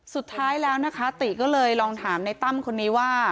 สุดท้ายแล้วนะคะติก็เลยลองถามในตั้มคนนี้ว่า